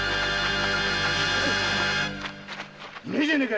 いねえじゃねえか